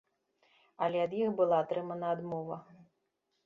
Але ад іх была атрымана адмова.